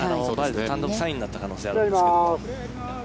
単独３位になった可能性がありますが。